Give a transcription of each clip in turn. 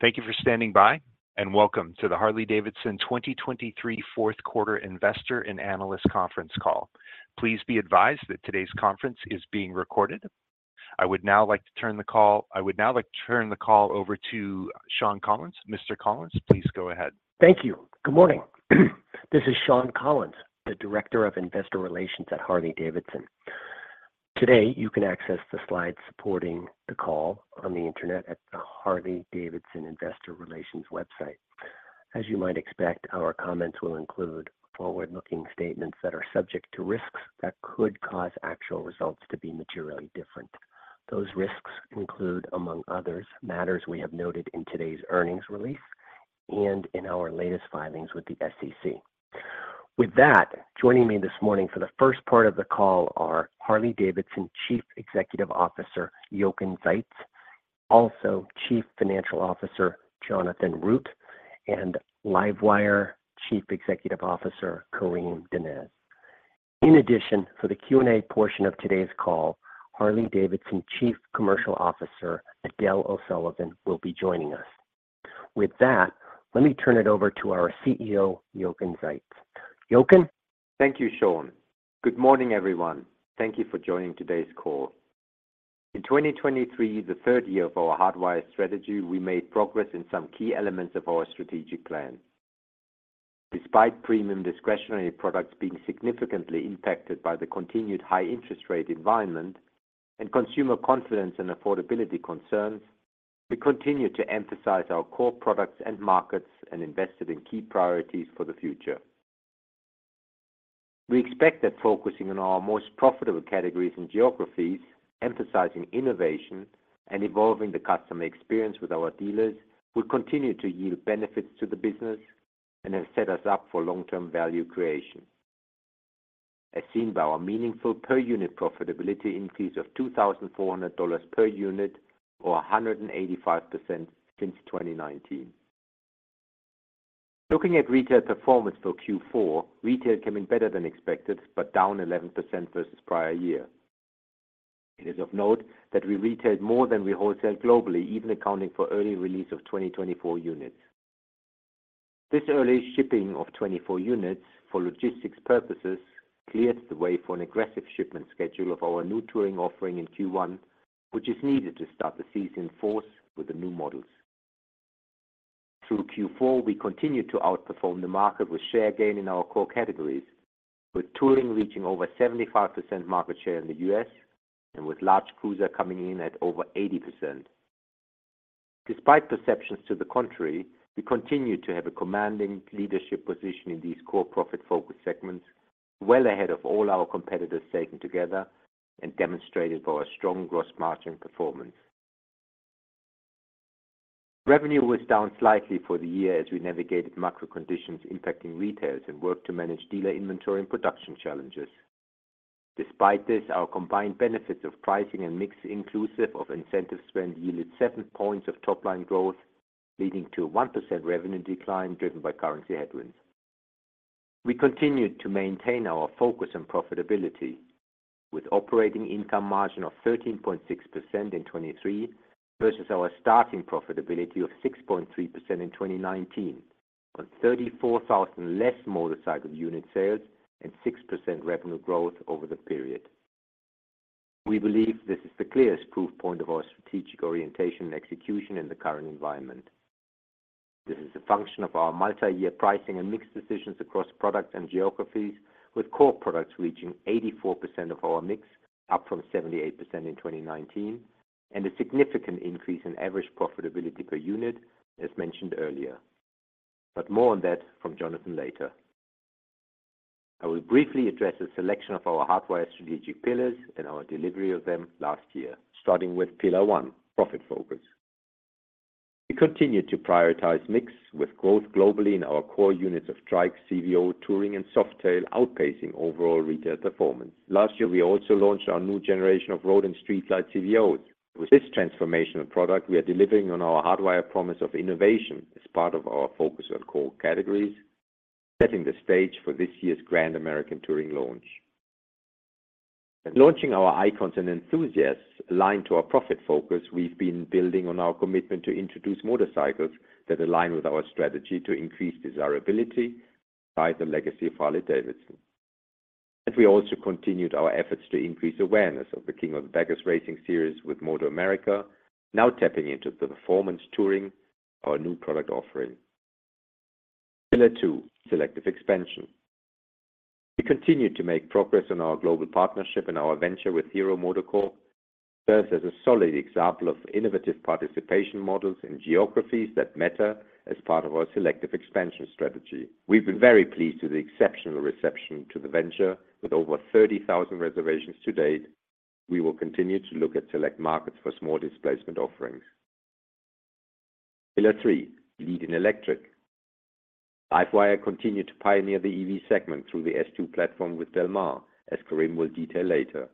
Thank you for standing by, and welcome to the Harley-Davidson 2023 fourth quarter investor and analyst conference call. Please be advised that today's conference is being recorded. I would now like to turn the call over to Shawn Collins. Mr. Collins, please go ahead. Thank you. Good morning. This is Shawn Collins, the Director of Investor Relations at Harley-Davidson. Today, you can access the slides supporting the call on the internet at the Harley-Davidson Investor Relations website. As you might expect, our comments will include forward-looking statements that are subject to risks that could cause actual results to be materially different. Those risks include, among others, matters we have noted in today's earnings release and in our latest filings with the SEC. With that, joining me this morning for the first part of the call are Harley-Davidson Chief Executive Officer, Jochen Zeitz; also Chief Financial Officer, Jonathan Root; and LiveWire Chief Executive Officer, Karim Donnez. In addition, for the Q&A portion of today's call, Harley-Davidson Chief Commercial Officer, Edel O'Sullivan, will be joining us. With that, let me turn it over to our CEO, Jochen Zeitz. Jochen? Thank you, Shawn. Good morning, everyone. Thank you for joining today's call. In 2023, the third year of our Hardwire strategy, we made progress in some key elements of our strategic plan. Despite premium discretionary products being significantly impacted by the continued high interest rate environment and consumer confidence and affordability concerns, we continued to emphasize our core products and markets and invested in key priorities for the future. We expect that focusing on our most profitable categories and geographies, emphasizing innovation and evolving the customer experience with our dealers, will continue to yield benefits to the business and have set us up for long-term value creation, as seen by our meaningful per unit profitability increase of $2,400 per unit or 185% since 2019. Looking at retail performance for Q4, retail came in better than expected, but down 11% versus prior year. It is of note that we retailed more than we wholesaled globally, even accounting for early release of 2024 units. This early shipping of 2024 units for logistics purposes, clears the way for an aggressive shipment schedule of our new touring offering in Q1, which is needed to start the season in force with the new models. Through Q4, we continued to outperform the market with share gain in our core categories, with touring reaching over 75% market share in the U.S. and with large Cruiser coming in at over 80%. Despite perceptions to the contrary, we continue to have a commanding leadership position in these core profit-focused segments, well ahead of all our competitors taken together and demonstrated by our strong gross margin performance. Revenue was down slightly for the year as we navigated macro conditions impacting retail and worked to manage dealer inventory and production challenges. Despite this, our combined benefits of pricing and mix, inclusive of incentive spend, yielded 7 points of top-line growth, leading to a 1% revenue decline driven by currency headwinds. We continued to maintain our focus on profitability, with operating income margin of 13.6% in 2023 versus our starting profitability of 6.3% in 2019, on 34,000 less motorcycle unit sales and 6% revenue growth over the period. We believe this is the clearest proof point of our strategic orientation and execution in the current environment. This is a function of our multi-year pricing and mix decisions across products and geographies, with core products reaching 84% of our mix, up from 78% in 2019, and a significant increase in average profitability per unit, as mentioned earlier. But more on that from Jonathan later. I will briefly address a selection of our Hardwire strategic pillars and our delivery of them last year, starting with pillar one, profit focus. We continued to prioritize mix with growth globally in our core units of Trike, CVO, Touring, and Softail, outpacing overall retail performance. Last year, we also launched our new generation of Road and Street Glide CVOs. With this transformational product, we are delivering on our Hardwire promise of innovation as part of our focus on core categories, setting the stage for this year's Grand American Touring launch. Launching our Icons and Enthusiasts aligned to our profit focus, we've been building on our commitment to introduce motorcycles that align with our strategy to increase desirability by the legacy of Harley-Davidson. We also continued our efforts to increase awareness of the King of the Baggers racing series with MotoAmerica, now tapping into the performance touring, our new product offering. Pillar two, selective expansion. We continued to make progress on our global partnership, and our venture with Hero MotoCorp serves as a solid example of innovative participation models in geographies that matter as part of our selective expansion strategy. We've been very pleased with the exceptional reception to the venture. With over 30,000 reservations to date, we will continue to look at select markets for small displacement offerings. Pillar three, leading electric. LiveWire continued to pioneer the EV segment through the S2 platform with Del Mar, as Karim will detail later.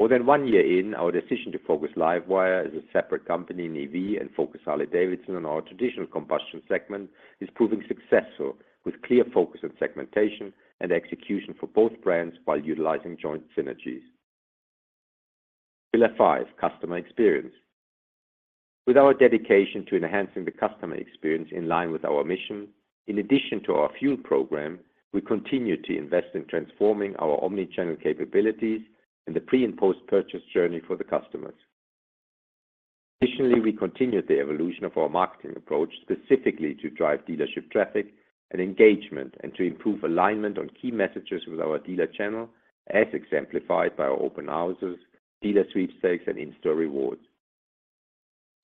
More than one year in, our decision to focus LiveWire as a separate company in EV and focus Harley-Davidson on our traditional combustion segment is proving successful, with clear focus on segmentation and execution for both brands while utilizing joint synergies. Pillar five, customer experience. With our dedication to enhancing the customer experience in line with our mission, in addition to our Fuel program, we continue to invest in transforming our omni-channel capabilities and the pre- and post-purchase journey for the customers. Additionally, we continued the evolution of our marketing approach, specifically to drive dealership traffic and engagement, and to improve alignment on key messages with our dealer channel, as exemplified by our open houses, dealer sweepstakes, and in-store rewards.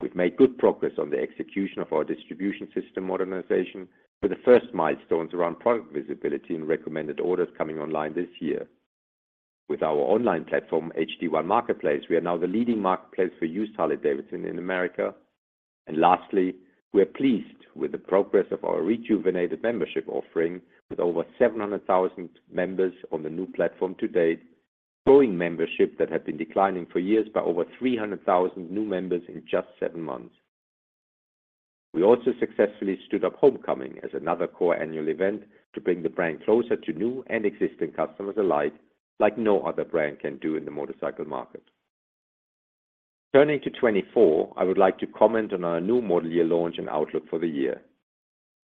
We've made good progress on the execution of our distribution system modernization, with the first milestones around product visibility and recommended orders coming online this year. With our online platform, H-D1 Marketplace, we are now the leading marketplace for used Harley-Davidson in America. And lastly, we are pleased with the progress of our rejuvenated membership offering, with over 700,000 members on the new platform to date, growing membership that had been declining for years by over 300,000 new members in just seven months. We also successfully stood up Homecoming as another core annual event to bring the brand closer to new and existing customers alike, like no other brand can do in the motorcycle market. Turning to 2024, I would like to comment on our new model year launch and outlook for the year.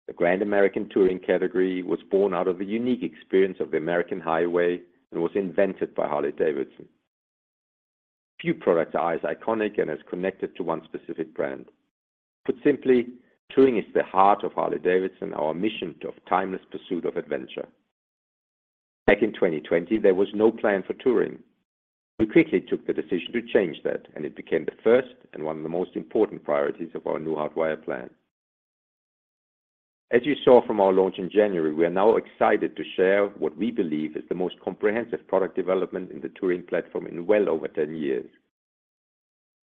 The Grand American Touring category was born out of the unique experience of the American Highway and was invented by Harley-Davidson. Few products are as iconic and as connected to one specific brand. Put simply, touring is the heart of Harley-Davidson, our mission of timeless pursuit of adventure. Back in 2020, there was no plan for touring. We quickly took the decision to change that, and it became the first and one of the most important priorities of our new Hardwire plan. As you saw from our launch in January, we are now excited to share what we believe is the most comprehensive product development in the touring platform in well over 10 years.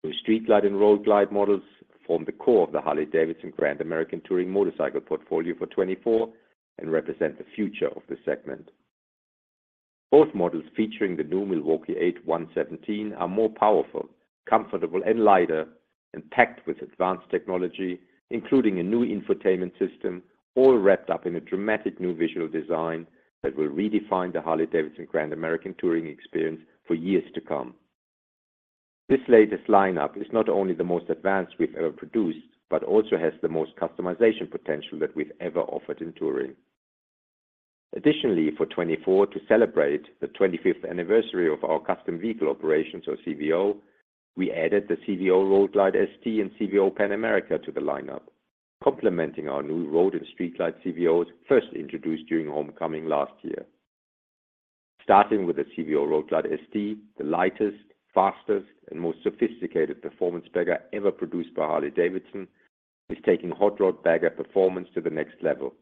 The Street Glide and Road Glide models form the core of the Harley-Davidson Grand American Touring motorcycle portfolio for 2024 and represent the future of this segment. Both models, featuring the new Milwaukee-Eight 117, are more powerful, comfortable, and lighter, and packed with advanced technology, including a new infotainment system, all wrapped up in a dramatic new visual design that will redefine the Harley-Davidson Grand American Touring experience for years to come. This latest lineup is not only the most advanced we've ever produced, but also has the most customization potential that we've ever offered in touring. Additionally, for 2024, to celebrate the 25th anniversary of our Custom Vehicle Operations or CVO, we added the CVO Road Glide ST and CVO Pan America to the lineup, complementing our new Road Glide and Street Glide CVOs, first introduced during Homecoming last year. Starting with the CVO Road Glide ST, the lightest, fastest, and most sophisticated performance bagger ever produced by Harley-Davidson, is taking hot rod bagger performance to the next level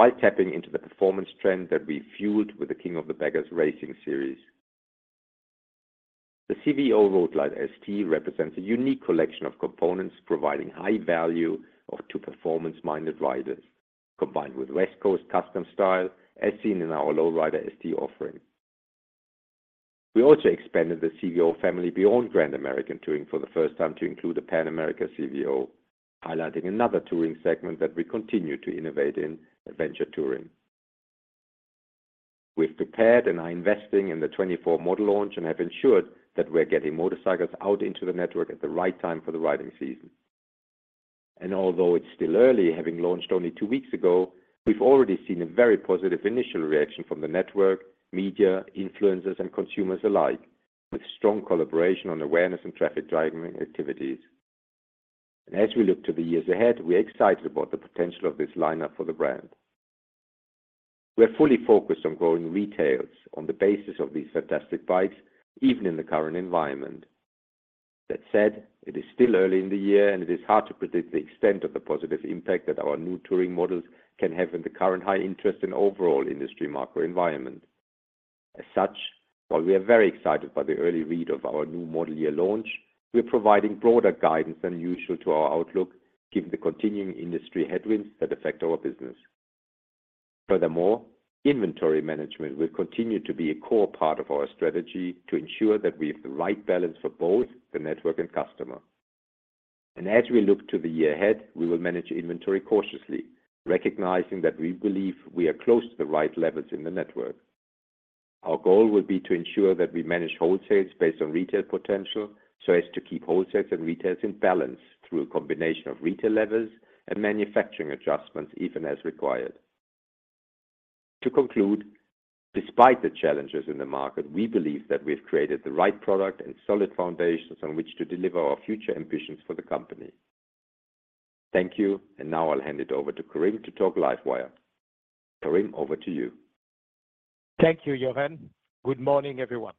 while tapping into the performance trend that we fueled with the King of the Baggers racing series. The CVO Road Glide ST represents a unique collection of components, providing high value to performance-minded riders, combined with West Coast custom style, as seen in our Low Rider ST offering. We also expanded the CVO family beyond Grand American Touring for the first time to include the Pan America CVO, highlighting another Touring segment that we continue to innovate in, Adventure Touring. We've prepared and are investing in the 2024 model launch and have ensured that we're getting motorcycles out into the network at the right time for the riding season. Although it's still early, having launched only two weeks ago, we've already seen a very positive initial reaction from the network, media, influencers, and consumers alike, with strong collaboration on awareness and traffic-driving activities. As we look to the years ahead, we are excited about the potential of this lineup for the brand. We are fully focused on growing retails on the basis of these fantastic bikes, even in the current environment. That said, it is still early in the year, and it is hard to predict the extent of the positive impact that our new touring models can have in the current high interest and overall industry macro environment. As such, while we are very excited by the early read of our new model year launch, we are providing broader guidance than usual to our outlook, given the continuing industry headwinds that affect our business. Furthermore, inventory management will continue to be a core part of our strategy to ensure that we have the right balance for both the network and customer. And as we look to the year ahead, we will manage inventory cautiously, recognizing that we believe we are close to the right levels in the network. Our goal will be to ensure that we manage wholesales based on retail potential, so as to keep wholesales and retails in balance through a combination of retail levels and manufacturing adjustments, even as required. To conclude, despite the challenges in the market, we believe that we've created the right product and solid foundations on which to deliver our future ambitions for the company. Thank you. And now I'll hand it over to Karim to talk LiveWire. Karim, over to you. Thank you, Jochen. Good morning, everyone.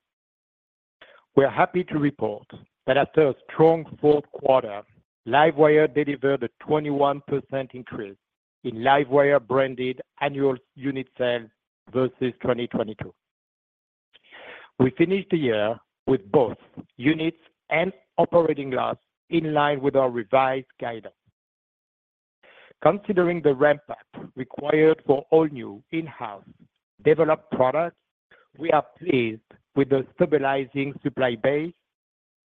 We are happy to report that after a strong fourth quarter, LiveWire delivered a 21% increase in LiveWire-branded annual unit sales versus 2022. We finished the year with both units and operating loss in line with our revised guidance. Considering the ramp-up required for all new in-house developed products, we are pleased with the stabilizing supply base,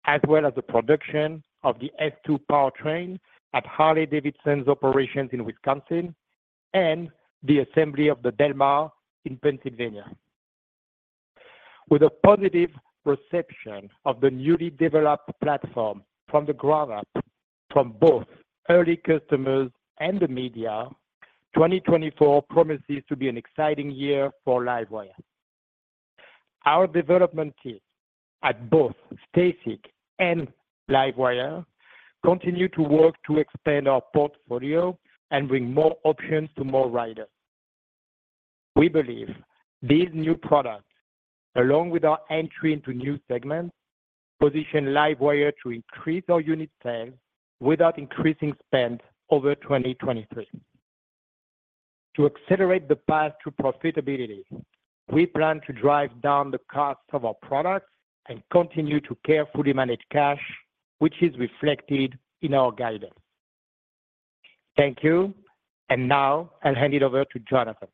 as well as the production of the S2 powertrain at Harley-Davidson's operations in Wisconsin and the assembly of the Del Mar in Pennsylvania. With a positive perception of the newly developed platform from the ground up from both early customers and the media, 2024 promises to be an exciting year for LiveWire. Our development team at both STACYC and LiveWire continue to work to expand our portfolio and bring more options to more riders. We believe these new products, along with our entry into new segments, position LiveWire to increase our unit sales without increasing spend over 2023. To accelerate the path to profitability, we plan to drive down the cost of our products and continue to carefully manage cash, which is reflected in our guidance. Thank you, and now I'll hand it over to Jonathan.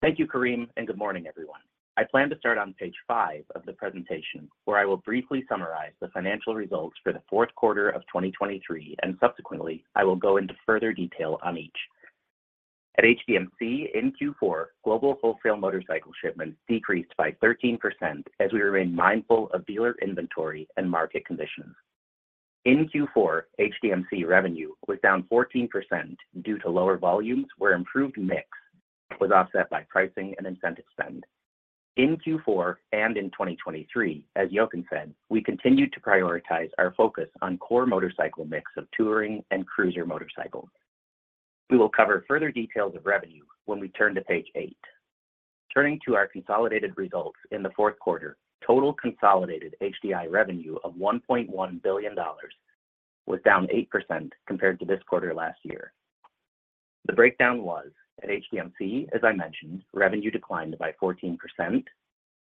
Thank you, Karim, and good morning, everyone. I plan to start on page five of the presentation, where I will briefly summarize the financial results for the fourth quarter of 2023, and subsequently, I will go into further detail on each. At HDMC in Q4, global wholesale motorcycle shipments decreased by 13% as we remain mindful of dealer inventory and market conditions. In Q4, HDMC revenue was down 14% due to lower volumes, where improved mix was offset by pricing and incentive spend. In Q4 and in 2023, as Jochen said, we continued to prioritize our focus on core motorcycle mix of touring and cruiser motorcycles. We will cover further details of revenue when we turn to page eight. Turning to our consolidated results in the fourth quarter, total consolidated HDI revenue of $1.1 billion was down 8% compared to this quarter last year. The breakdown was: at HDMC, as I mentioned, revenue declined by 14%,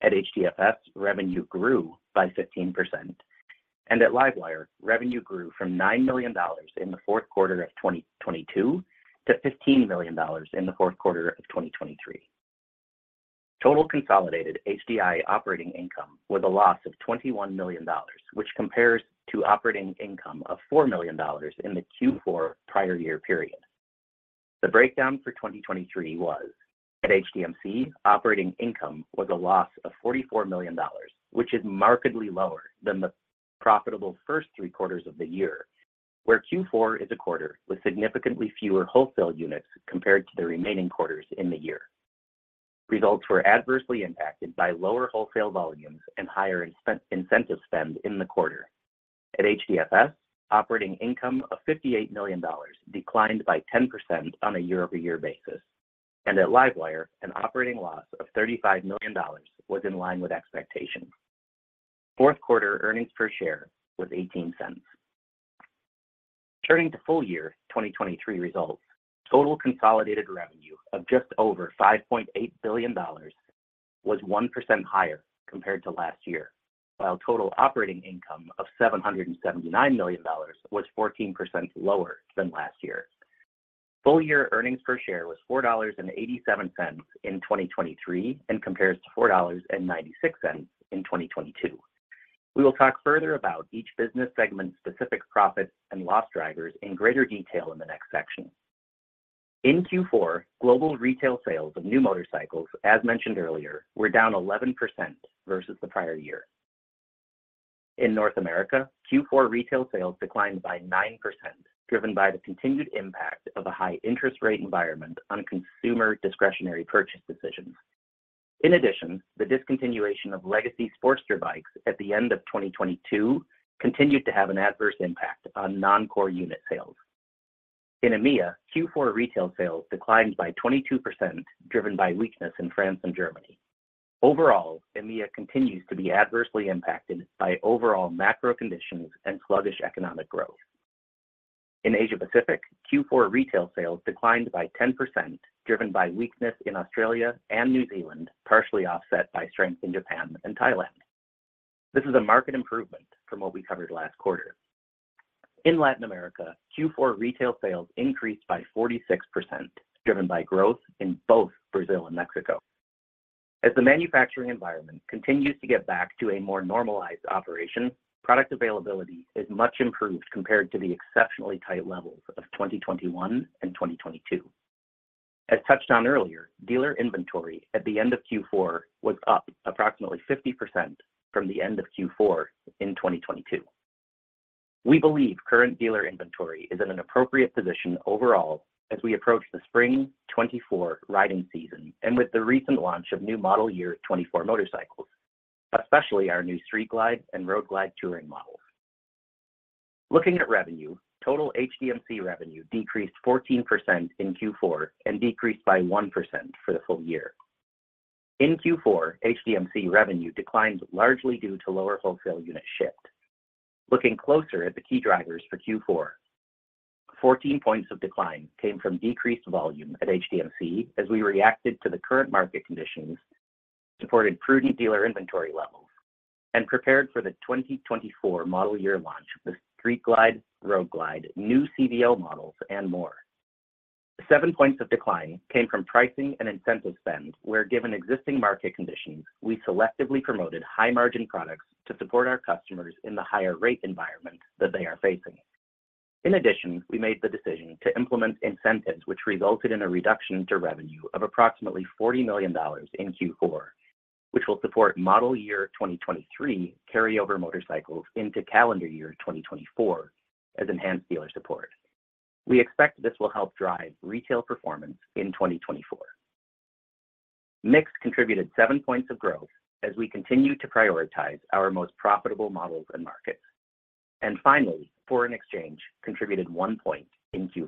at HDFS, revenue grew by 15%, and at LiveWire, revenue grew from $9 million in the fourth quarter of 2022 to $15 million in the fourth quarter of 2023. Total consolidated HDI operating income was a loss of $21 million, which compares to operating income of $4 million in the Q4 prior year period. The breakdown for 2023 was: at HDMC, operating income was a loss of $44 million, which is markedly lower than the profitable first three quarters of the year, where Q4 is a quarter with significantly fewer wholesale units compared to the remaining quarters in the year. Results were adversely impacted by lower wholesale volumes and higher incentive spend in the quarter. At HDFS, operating income of $58 million declined by 10% on a year-over-year basis, and at LiveWire, an operating loss of $35 million was in line with expectations. Fourth quarter earnings per share was $0.18. Turning to full year 2023 results, total consolidated revenue of just over $5.8 billion was 1% higher compared to last year, while total operating income of $779 million was 14% lower than last year. Full year earnings per share was $4.87 in 2023 and compares to $4.96 in 2022. We will talk further about each business segment's specific profit and loss drivers in greater detail in the next section. In Q4, global retail sales of new motorcycles, as mentioned earlier, were down 11% versus the prior year. In North America, Q4 retail sales declined by 9%, driven by the continued impact of a high interest rate environment on consumer discretionary purchase decisions. In addition, the discontinuation of legacy Sportster bikes at the end of 2022 continued to have an adverse impact on non-core unit sales. In EMEA, Q4 retail sales declined by 22%, driven by weakness in France and Germany. Overall, EMEA continues to be adversely impacted by overall macro conditions and sluggish economic growth. In Asia Pacific, Q4 retail sales declined by 10%, driven by weakness in Australia and New Zealand, partially offset by strength in Japan and Thailand. This is a market improvement from what we covered last quarter. In Latin America, Q4 retail sales increased by 46%, driven by growth in both Brazil and Mexico. As the manufacturing environment continues to get back to a more normalized operation, product availability is much improved compared to the exceptionally tight levels of 2021 and 2022. As touched on earlier, dealer inventory at the end of Q4 was up approximately 50% from the end of Q4 in 2022. We believe current dealer inventory is in an appropriate position overall as we approach the spring 2024 riding season and with the recent launch of new model year 2024 motorcycles, especially our new Street Glide and Road Glide touring models. Looking at revenue, total HDMC revenue decreased 14% in Q4 and decreased by 1% for the full year. In Q4, HDMC revenue declined largely due to lower wholesale units shipped. Looking closer at the key drivers for Q4, 14 points of decline came from decreased volume at HDMC as we reacted to the current market conditions, supported prudent dealer inventory levels, and prepared for the 2024 model year launch, the Street Glide, Road Glide, new CVO models, and more. 7 points of decline came from pricing and incentive spend, where, given existing market conditions, we selectively promoted high-margin products to support our customers in the higher rate environment that they are facing. In addition, we made the decision to implement incentives, which resulted in a reduction to revenue of approximately $40 million in Q4, which will support model year 2023 carryover motorcycles into calendar year 2024 as enhanced dealer support. We expect this will help drive retail performance in 2024. Mix contributed 7 points of growth as we continue to prioritize our most profitable models and markets. Finally, foreign exchange contributed 1 point in Q4.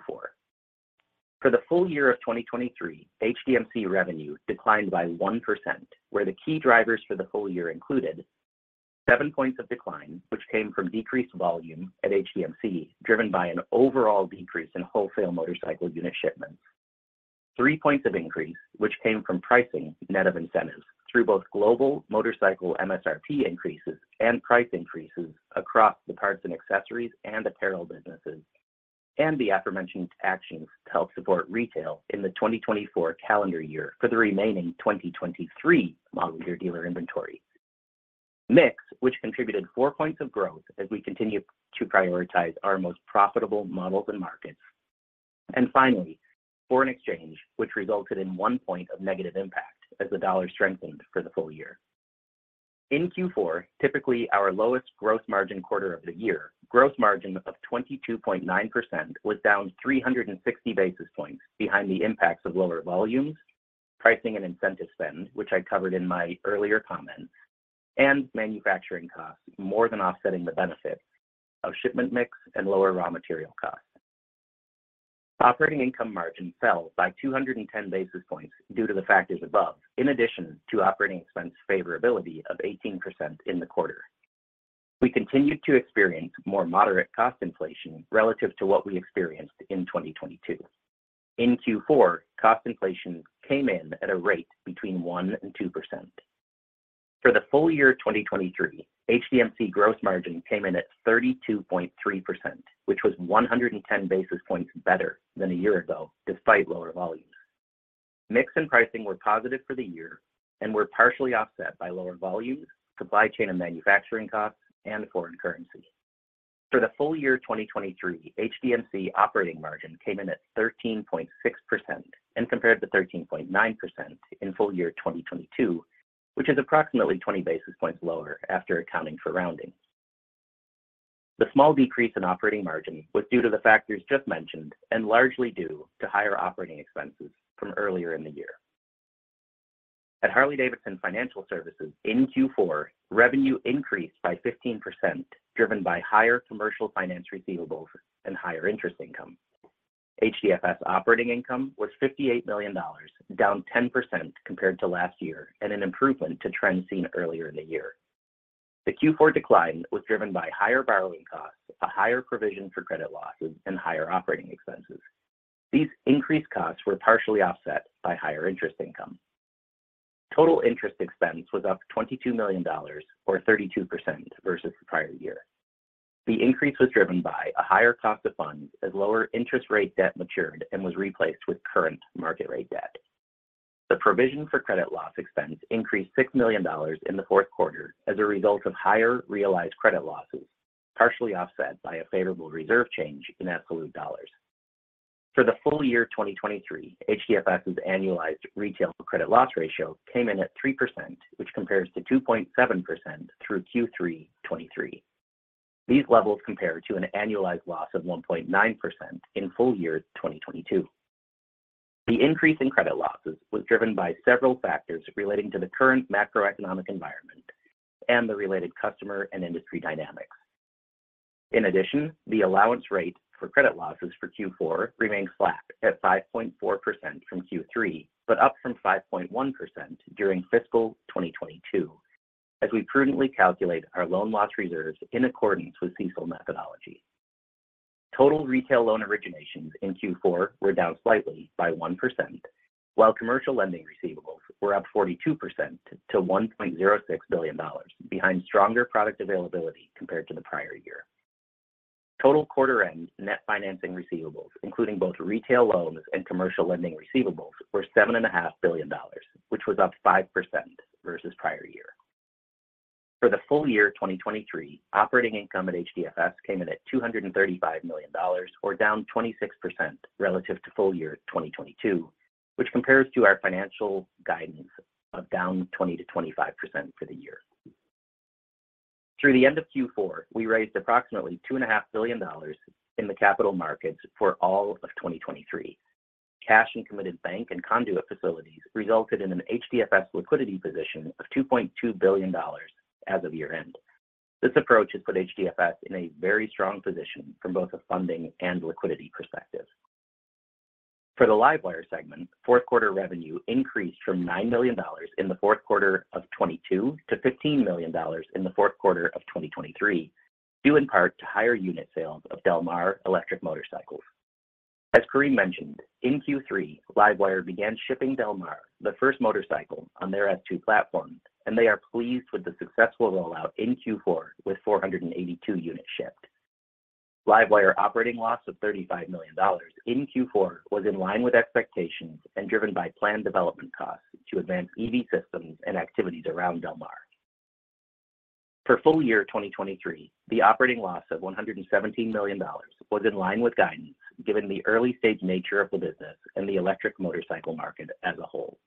For the full year of 2023, HDMC revenue declined by 1%, where the key drivers for the full year included: 7 points of decline, which came from decreased volume at HDMC, driven by an overall decrease in wholesale motorcycle unit shipments. 3 points of increase, which came from pricing net of incentives through both global motorcycle MSRP increases and price increases across the parts and accessories and apparel businesses, and the aforementioned actions to help support retail in the 2024 calendar year for the remaining 2023 model year dealer inventory. Mix, which contributed 4 points of growth as we continue to prioritize our most profitable models and markets. And finally, foreign exchange, which resulted in 1 point of negative impact as the dollar strengthened for the full year. In Q4, typically our lowest gross margin quarter of the year, gross margin of 22.9% was down 360 basis points behind the impacts of lower volumes, pricing and incentive spend, which I covered in my earlier comments, and manufacturing costs, more than offsetting the benefit of shipment mix and lower raw material costs. Operating income margin fell by 210 basis points due to the factors above, in addition to operating expense favorability of 18% in the quarter. We continued to experience more moderate cost inflation relative to what we experienced in 2022. In Q4, cost inflation came in at a rate between 1% and 2%. For the full year 2023, HDMC gross margin came in at 32.3%, which was 110 basis points better than a year ago, despite lower volumes. Mix and pricing were positive for the year and were partially offset by lower volumes, supply chain and manufacturing costs, and foreign currency. For the full year 2023, HDMC operating margin came in at 13.6% and compared to 13.9% in full year 2022, which is approximately 20 basis points lower after accounting for rounding. The small decrease in operating margin was due to the factors just mentioned and largely due to higher operating expenses from earlier in the year. At Harley-Davidson Financial Services in Q4, revenue increased by 15%, driven by higher commercial finance receivables and higher interest income. HDFS operating income was $58 million, down 10% compared to last year and an improvement to trends seen earlier in the year. The Q4 decline was driven by higher borrowing costs, a higher provision for credit losses, and higher operating expenses. These increased costs were partially offset by higher interest income. Total interest expense was up $22 million, or 32% versus the prior year. The increase was driven by a higher cost of funds, as lower interest rate debt matured and was replaced with current market rate debt. The provision for credit loss expense increased $6 million in the fourth quarter as a result of higher realized credit losses, partially offset by a favorable reserve change in absolute dollars. For the full year 2023, HDFS's annualized retail credit loss ratio came in at 3%, which compares to 2.7% through Q3 2023. These levels compare to an annualized loss of 1.9% in full year 2022. The increase in credit losses was driven by several factors relating to the current macroeconomic environment and the related customer and industry dynamics. In addition, the allowance rate for credit losses for Q4 remained flat at 5.4% from Q3, but up from 5.1% during fiscal 2022, as we prudently calculate our loan loss reserves in accordance with CECL methodology. Total retail loan originations in Q4 were down slightly by 1%, while commercial lending receivables were up 42% to $1.06 billion, behind stronger product availability compared to the prior year. Total quarter-end net financing receivables, including both retail loans and commercial lending receivables, were $7.5 billion, which was up 5% versus prior year. For the full year 2023, operating income at HDFS came in at $235 million, or down 26% relative to full year 2022, which compares to our financial guidance of down 20%-25% for the year. Through the end of Q4, we raised approximately $2.5 billion in the capital markets for all of 2023. Cash and committed bank and conduit facilities resulted in an HDFS liquidity position of $2.2 billion as of year-end. This approach has put HDFS in a very strong position from both a funding and liquidity perspective. For the LiveWire segment, fourth quarter revenue increased from $9 million in the fourth quarter of 2022 to $15 million in the fourth quarter of 2023, due in part to higher unit sales of Del Mar electric motorcycles. As Karim mentioned, in Q3, LiveWire began shipping Del Mar, the first motorcycle on their S2 platform, and they are pleased with the successful rollout in Q4, with 482 units shipped. LiveWire operating loss of $35 million in Q4 was in line with expectations and driven by planned development costs to advance EV systems and activities around Del Mar. For full year 2023, the operating loss of $117 million was in line with guidance, given the early-stage nature of the business and the electric motorcycle market as a whole.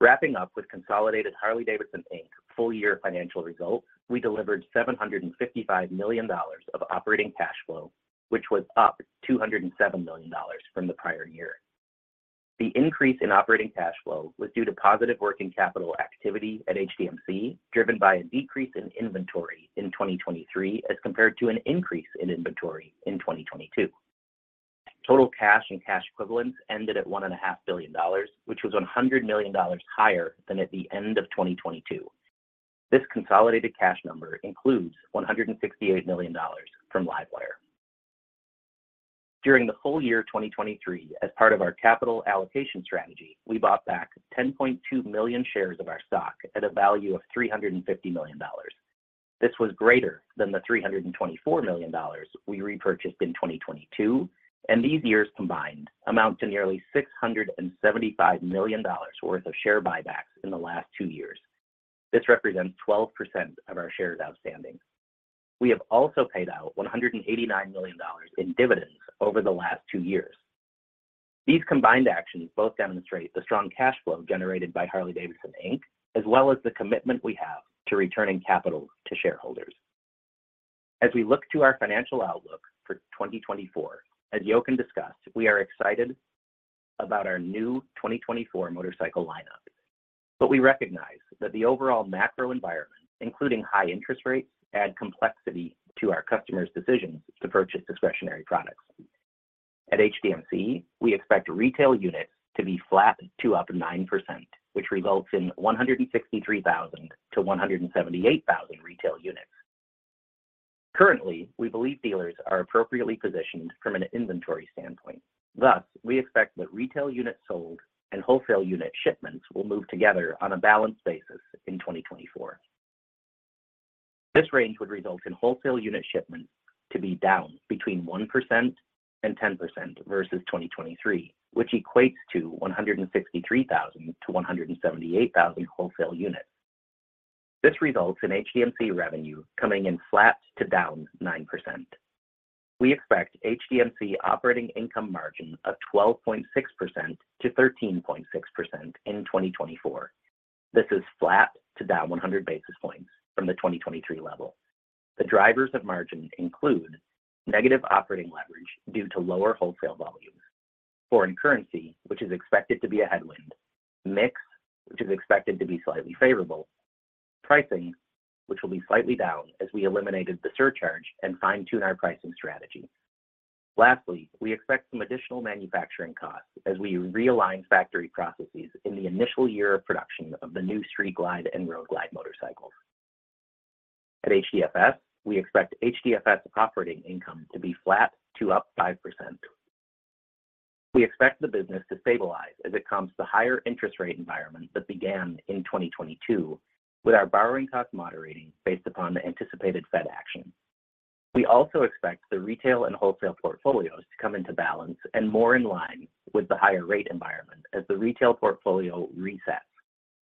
Wrapping up with consolidated Harley-Davidson, Inc. full year financial results, we delivered $755 million of operating cash flow, which was up $207 million from the prior year. The increase in operating cash flow was due to positive working capital activity at HDMC, driven by a decrease in inventory in 2023 as compared to an increase in inventory in 2022. Total cash and cash equivalents ended at $1.5 billion, which was $100 million higher than at the end of 2022. This consolidated cash number includes $168 million from LiveWire. During the full year 2023, as part of our capital allocation strategy, we bought back 10.2 million shares of our stock at a value of $350 million. This was greater than the $324 million we repurchased in 2022, and these years combined amount to nearly $675 million worth of share buybacks in the last two years. This represents 12% of our shares outstanding. We have also paid out $189 million in dividends over the last two years. These combined actions both demonstrate the strong cash flow generated by Harley-Davidson, Inc., as well as the commitment we have to returning capital to shareholders. As we look to our financial outlook for 2024, as Jochen discussed, we are excited about our new 2024 motorcycle lineup, but we recognize that the overall macro environment, including high interest rates, add complexity to our customers' decisions to purchase discretionary products. At HDMC, we expect retail units to be flat to up 9%, which results in 163,000-178,000 retail units. Currently, we believe dealers are appropriately positioned from an inventory standpoint, thus, we expect that retail units sold and wholesale unit shipments will move together on a balanced basis in 2024. This range would result in wholesale unit shipments to be down between 1% and 10% versus 2023, which equates to 163,000-178,000 wholesale units. This results in HDMC revenue coming in flat to down 9%. We expect HDMC operating income margin of 12.6%-13.6% in 2024. This is flat to down 100 basis points from the 2023 level. The drivers of margin include negative operating leverage due to lower wholesale volumes. Foreign currency, which is expected to be a headwind. Mix, which is expected to be slightly favorable. Pricing, which will be slightly down as we eliminated the surcharge and fine-tune our pricing strategy. Lastly, we expect some additional manufacturing costs as we realign factory processes in the initial year of production of the new Street Glide and Road Glide motorcycles. At HDFS, we expect HDFS operating income to be flat to up 5%. We expect the business to stabilize as it comes to higher interest rate environment that began in 2022, with our borrowing cost moderating based upon the anticipated Fed action. We also expect the retail and wholesale portfolios to come into balance and more in line with the higher rate environment as the retail portfolio resets,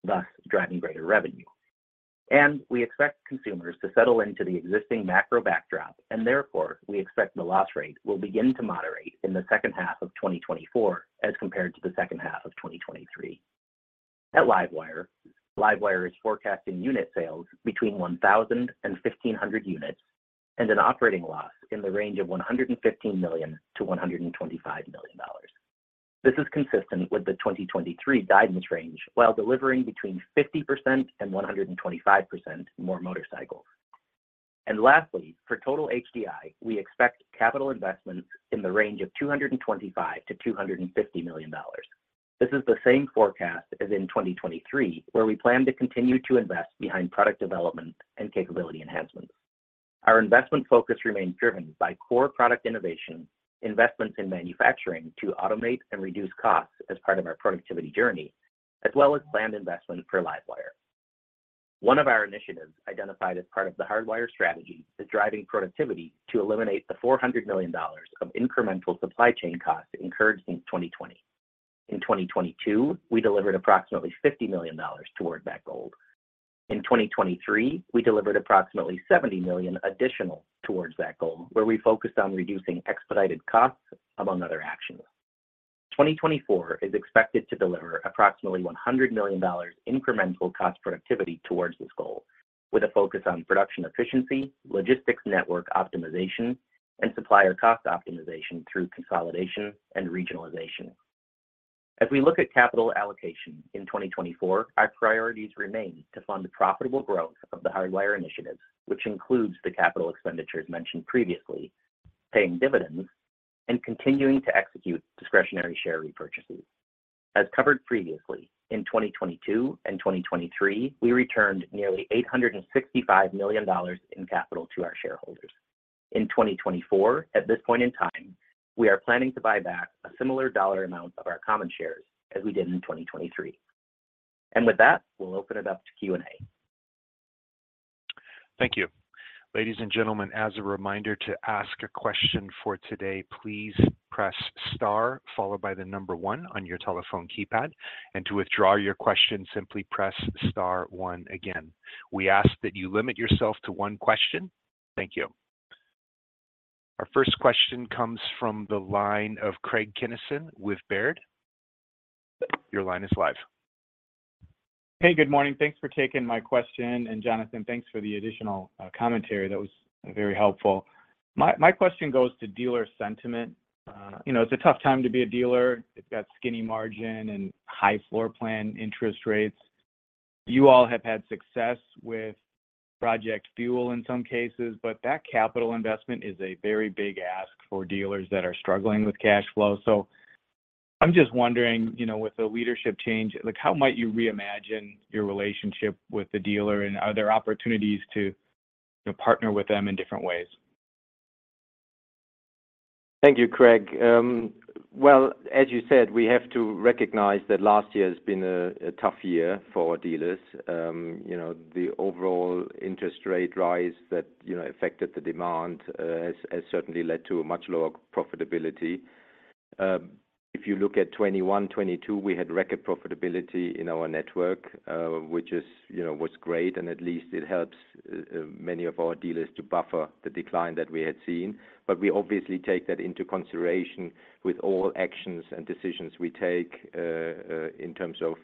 thus driving greater revenue. We expect consumers to settle into the existing macro backdrop, and therefore, we expect the loss rate will begin to moderate in the second half of 2024 as compared to the second half of 2023. At LiveWire, LiveWire is forecasting unit sales between 1,000 and 1,500 units and an operating loss in the range of $115 million-$125 million. This is consistent with the 2023 guidance range, while delivering between 50% and 125% more motorcycles. And lastly, for total HDI, we expect capital investments in the range of $225 million-$250 million. This is the same forecast as in 2023, where we plan to continue to invest behind product development and capability enhancements. Our investment focus remains driven by core product innovation, investments in manufacturing to automate and reduce costs as part of our productivity journey, as well as planned investments for LiveWire. One of our initiatives identified as part of the Hardwire strategy is driving productivity to eliminate the $400 million of incremental supply chain costs incurred since 2020. In 2022, we delivered approximately $50 million toward that goal. In 2023, we delivered approximately $70 million additional towards that goal, where we focused on reducing expedited costs, among other actions. 2024 is expected to deliver approximately $100 million incremental cost productivity towards this goal, with a focus on production efficiency, logistics network optimization, and supplier cost optimization through consolidation and regionalization. As we look at capital allocation in 2024, our priorities remain to fund the profitable growth of the Hardwire initiatives, which includes the capital expenditures mentioned previously, paying dividends, and continuing to execute discretionary share repurchases. As covered previously, in 2022 and 2023, we returned nearly $865 million in capital to our shareholders. In 2024, at this point in time, we are planning to buy back a similar dollar amount of our common shares as we did in 2023. With that, we'll open it up to Q&A. Thank you. Ladies and gentlemen, as a reminder to ask a question for today, please press star followed by the number one on your telephone keypad, and to withdraw your question, simply press star one again. We ask that you limit yourself to one question. Thank you. Our first question comes from the line of Craig Kennison with Baird. Your line is live. Hey, good morning. Thanks for taking my question, and Jonathan, thanks for the additional commentary. That was very helpful. My question goes to dealer sentiment. You know, it's a tough time to be a dealer. They've got skinny margin and high floor plan interest rates. You all have had success with Project Fuel in some cases, but that capital investment is a very big ask for dealers that are struggling with cash flow. So I'm just wondering, you know, with the leadership change, like, how might you reimagine your relationship with the dealer? And are there opportunities to partner with them in different ways? Thank you, Craig. Well, as you said, we have to recognize that last year has been a tough year for our dealers. You know, the overall interest rate rise that, you know, affected the demand has certainly led to a much lower profitability. If you look at 2021, 2022, we had record profitability in our network, which, you know, was great, and at least it helps many of our dealers to buffer the decline that we had seen. But we obviously take that into consideration with all actions and decisions we take in terms of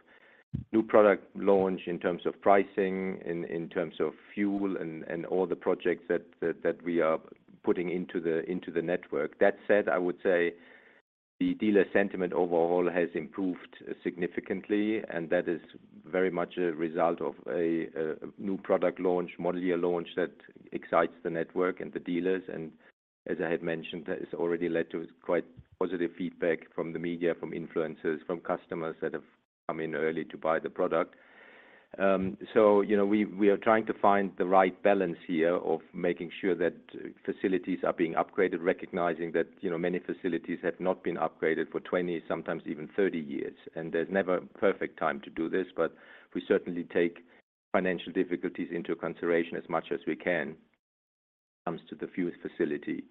new product launch, in terms of pricing, in terms of Fuel, and all the projects that we are putting into the network. That said, I would say the dealer sentiment overall has improved significantly, and that is very much a result of a new product launch, model year launch that excites the network and the dealers. And as I had mentioned, that has already led to quite positive feedback from the media, from influencers, from customers that have come in early to buy the product. So, you know, we are trying to find the right balance here of making sure that facilities are being upgraded, recognizing that, you know, many facilities have not been upgraded for 20, sometimes even 30 years, and there's never a perfect time to do this, but we certainly take financial difficulties into consideration as much as we can when it comes to the Fuel facility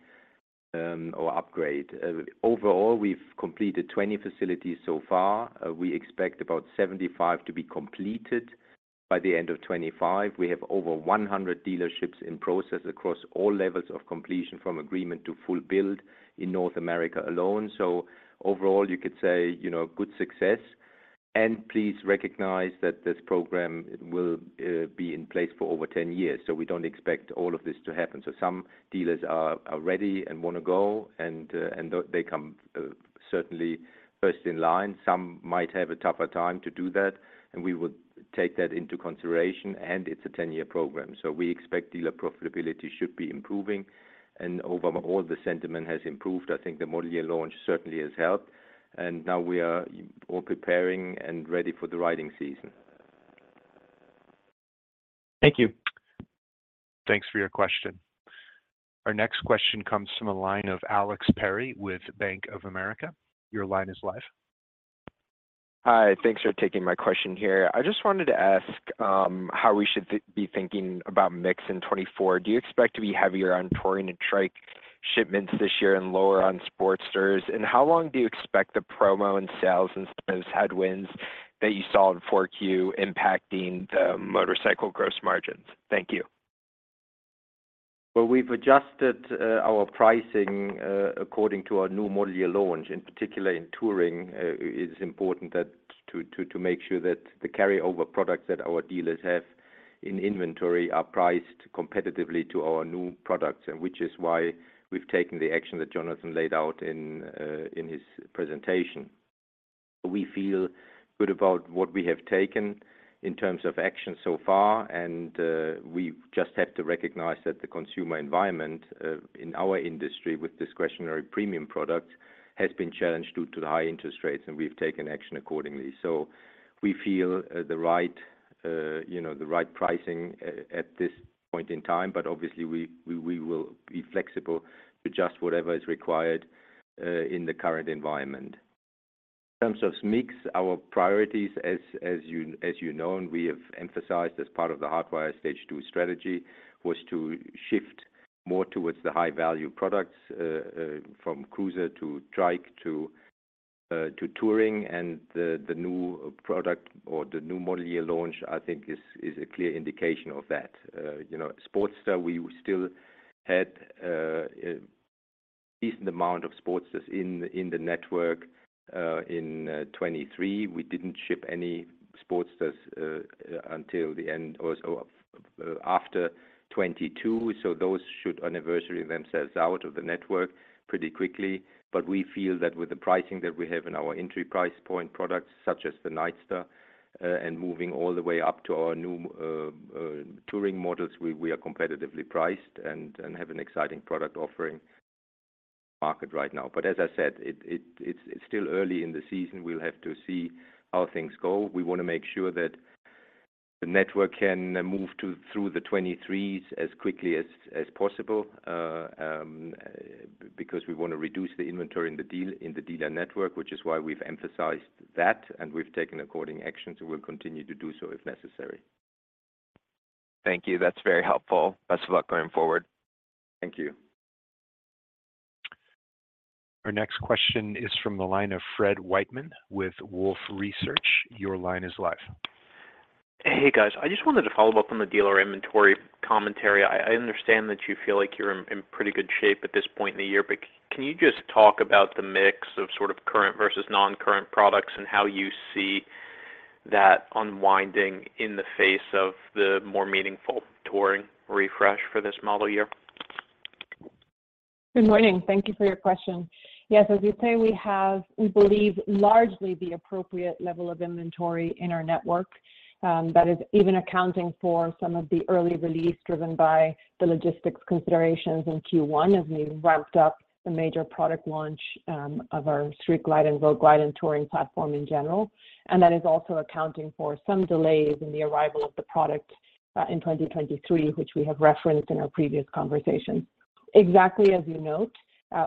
or upgrade. Overall, we've completed 20 facilities so far. We expect about 75 to be completed by the end of 2025. We have over 100 dealerships in process across all levels of completion, from agreement to full build in North America alone. So overall, you know, good success, and please recognize that this program will be in place for over 10 years, so we don't expect all of this to happen. So some dealers are ready and want to go, and they come certainly first in line. Some might have a tougher time to do that, and we would take that into consideration. And it's a 10-year program, so we expect dealer profitability should be improving, and overall, the sentiment has improved. I think the model year launch certainly has helped, and now we are all preparing and ready for the riding season. Thank you. Thanks for your question. Our next question comes from a line of Alex Perry with Bank of America. Your line is live. Hi, thanks for taking my question here. I just wanted to ask, how we should be thinking about mix in 2024. Do you expect to be heavier on touring and trike shipments this year and lower on Sportsters? And how long do you expect the promo and sales and those headwinds that you saw in Q4 impacting the motorcycle gross margins? Thank you. Well, we've adjusted our pricing according to our new model year launch, in particular, in Touring. It is important that to make sure that the carryover products that our dealers have in inventory are priced competitively to our new products, and which is why we've taken the action that Jonathan laid out in his presentation. We feel good about what we have taken in terms of action so far, and we just have to recognize that the consumer environment in our industry, with discretionary premium products, has been challenged due to the high interest rates, and we've taken action accordingly. So we feel the right, you know, the right pricing at this point in time, but obviously, we will be flexible to adjust whatever is required in the current environment. In terms of mix, our priorities, as you know, and we have emphasized as part of the Hardwire Stage Two strategy, was to shift more towards the high-value products from cruiser to trike to touring. And the new product or the new model year launch, I think is a clear indication of that. You know, Sportster, we still had a decent amount of Sportsters in the network. In 2023, we didn't ship any Sportsters until the end or so after 2022, so those should inventory themselves out of the network pretty quickly. But we feel that with the pricing that we have in our entry price point products, such as the Nightster, and moving all the way up to our new touring models, we are competitively priced and have an exciting product offering market right now. But as I said, it's still early in the season. We'll have to see how things go. We want to make sure that the network can move through the 2023s as quickly as possible, because we want to reduce the inventory in the dealer network, which is why we've emphasized that, and we've taken according actions, and we'll continue to do so if necessary. Thank you. That's very helpful. Best of luck going forward. Thank you. Our next question is from the line of Fred Wightman with Wolfe Research. Your line is live. Hey, guys. I just wanted to follow up on the dealer inventory commentary. I understand that you feel like you're in pretty good shape at this point in the year, but can you just talk about the mix of sort of current versus non-current products and how you see that unwinding in the face of the more meaningful touring refresh for this model year? Good morning. Thank you for your question. Yes, as you say, we have, we believe, largely the appropriate level of inventory in our network, that is even accounting for some of the early release driven by the logistics considerations in Q1 as we ramped up the major product launch of our Street Glide and Road Glide and touring platform in general. And that is also accounting for some delays in the arrival of the product in 2023, which we have referenced in our previous conversations. Exactly as you note,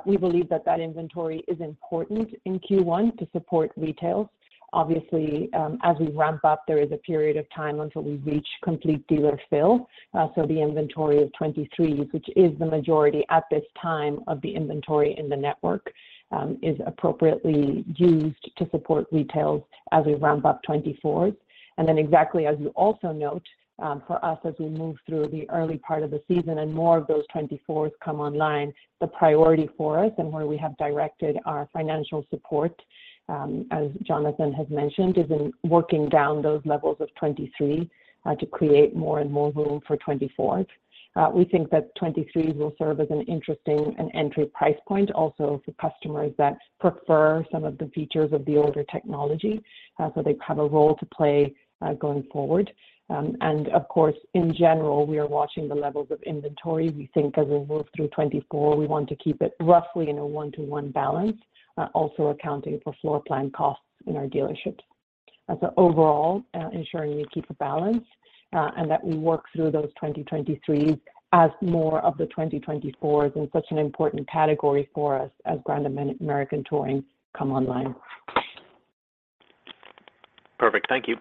we believe that that inventory is important in Q1 to support retail. Obviously, as we ramp up, there is a period of time until we reach complete dealer fill. So the inventory of 2023s, which is the majority at this time of the inventory in the network, is appropriately used to support retails as we ramp up 2024s. And then exactly as you also note, for us, as we move through the early part of the season and more of those 2024s come online, the priority for us and where we have directed our financial support, as Jonathan has mentioned, is in working down those levels of 2023, to create more and more room for 2024s. We think that 2023s will serve as an interesting and entry price point also for customers that prefer some of the features of the older technology, so they have a role to play, going forward. And of course, in general, we are watching the levels of inventory. We think as we move through 2024, we want to keep it roughly in a one-to-one balance, also accounting for floor plan costs in our dealerships. So overall, ensuring we keep a balance, and that we work through those 2023s as more of the 2024s in such an important category for us as Grand American Touring come online. Perfect. Thank you.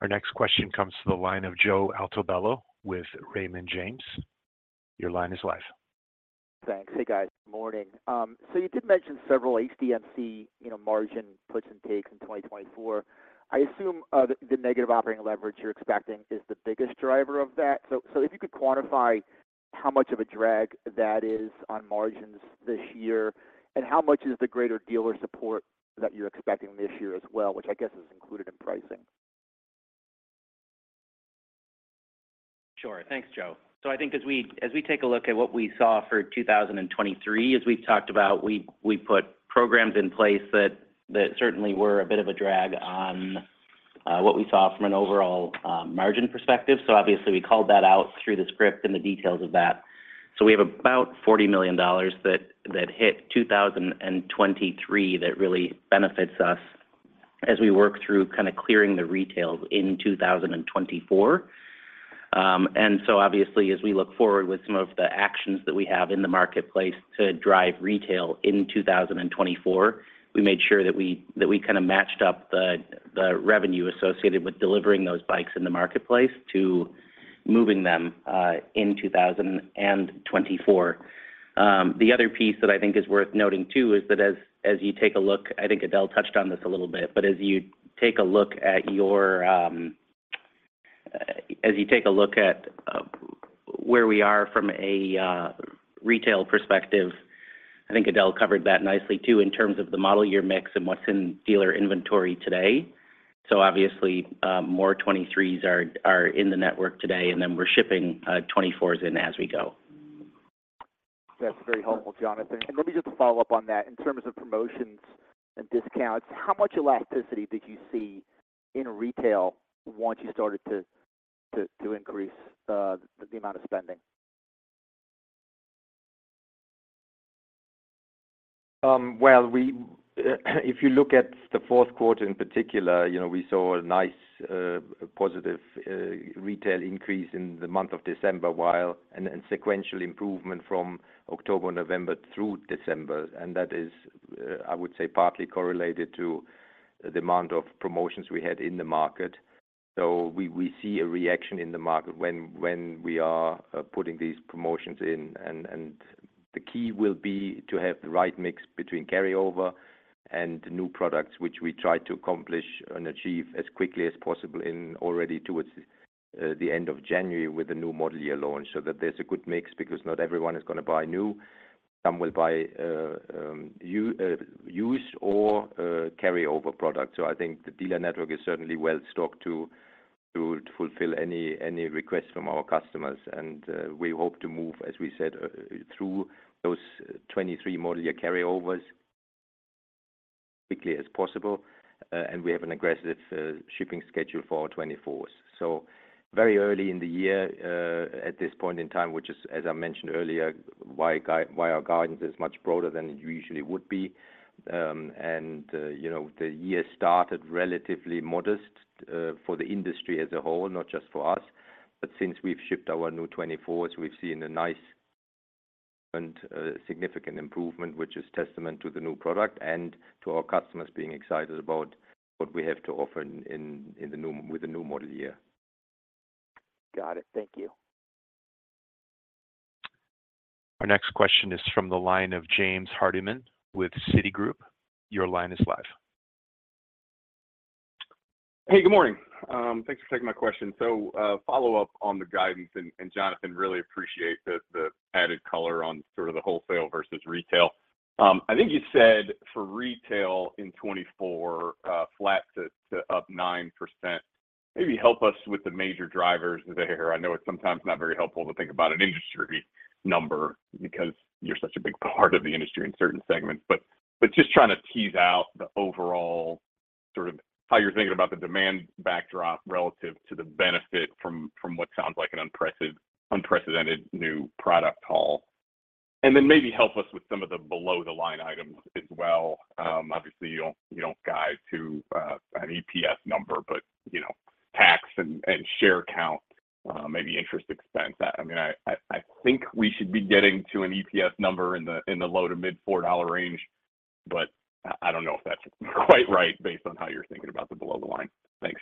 Our next question comes to the line of Joe Altobello with Raymond James. Your line is live. Thanks. Hey, guys. Morning. So you did mention several HDMC, you know, margin puts and takes in 2024. I assume the negative operating leverage you're expecting is the biggest driver of that. So, so if you could quantify how much of a drag that is on margins this year, and how much is the greater dealer support that you're expecting this year as well, which I guess is included in pricing? Sure. Thanks, Joe. So I think as we take a look at what we saw for 2023, as we've talked about, we put programs in place that certainly were a bit of a drag on what we saw from an overall margin perspective. So obviously, we called that out through the script and the details of that. So we have about $40 million that hit 2023, that really benefits us as we work through kind of clearing the retail in 2024. And so obviously, as we look forward with some of the actions that we have in the marketplace to drive retail in 2024, we made sure that we, that we kind of matched up the, the revenue associated with delivering those bikes in the marketplace to moving them in 2024. The other piece that I think is worth noting, too, is that as you take a look, I think Edel touched on this a little bit, but as you take a look at where we are from a retail perspective, I think Edel covered that nicely, too, in terms of the model year mix and what's in dealer inventory today. So obviously, more 2023s are in the network today, and then we're shipping 2024s in as we go. That's very helpful, Jonathan. Let me just follow up on that. In terms of promotions and discounts, how much elasticity did you see in retail once you started to increase the amount of spending? Well, if you look at the fourth quarter in particular, you know, we saw a nice positive retail increase in the month of December, and sequential improvement from October, November through December. And that is, I would say, partly correlated to the amount of promotions we had in the market. So we see a reaction in the market when we are putting these promotions in. And the key will be to have the right mix between carryover and new products, which we try to accomplish and achieve as quickly as possible and already towards the end of January with the new model year launch, so that there's a good mix, because not everyone is going to buy new. Some will buy used or carryover products. So I think the dealer network is certainly well stocked to fulfill any request from our customers. And we hope to move, as we said, through those 2023 model year carryovers as quickly as possible. And we have an aggressive shipping schedule for our 2024s. So very early in the year, at this point in time, which is, as I mentioned earlier, why our guidance is much broader than it usually would be. And you know, the year started relatively modest for the industry as a whole, not just for us, but since we've shipped our new 2024s, we've seen a nice and significant improvement, which is testament to the new product and to our customers being excited about what we have to offer in the new model year. Got it. Thank you. Our next question is from the line of James Hardiman with Citigroup. Your line is live. Hey, good morning. Thanks for taking my question. So, follow up on the guidance, and Jonathan, really appreciate the added color on sort of the wholesale versus retail. I think you said for retail in 2024, flat to up 9%. Maybe help us with the major drivers there. I know it's sometimes not very helpful to think about an industry number, because you're such a big part of the industry in certain segments, but just trying to tease out the overall sort of how you're thinking about the demand backdrop relative to the benefit from what sounds like an unprecedented new product haul. And then maybe help us with some of the below-the-line items as well. Obviously, you don't guide to an EPS number, but you know, tax and share count, maybe interest expense. I mean, I think we should be getting to an EPS number in the low- to mid-$4 range, but I don't know if that's quite right, based on how you're thinking about the below the line. Thanks.